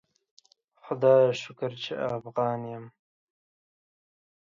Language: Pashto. خدایه شکر چی افغان یم